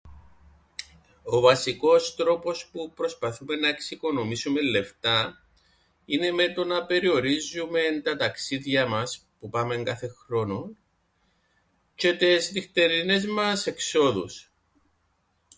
Ο βασικός τρόπος που προσπαθούμεν να εξοικονομήσουμεν λεφτά, είναι με το να περιορίζουμεν τα ταξίδια μας, που πάμεν κάθε χρόνον, τζ̆αι τες νυχτερινές μας εξόδους.